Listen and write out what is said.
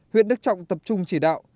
huyện đức trọng tập trung chỉ đạo